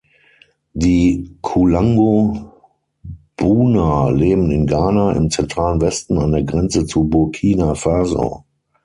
Die Kulango-Bouna leben in Ghana im zentralen Westen an der Grenze zu Burkina Faso.